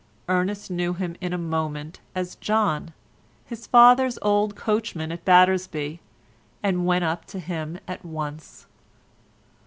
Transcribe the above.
Ernest knew him in a moment as John, his father's old coachman at Battersby, and went up to him at once.